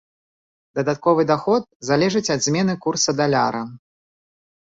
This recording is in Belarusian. Дадатковы даход залежыць ад змены курса даляра.